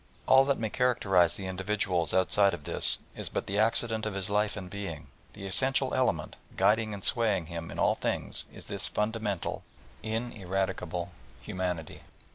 All that may characterise the individual outside of this is but the accident of his life and being; the essential element, guiding and swaying him in all things, is this fundamental, ineradicable humanity.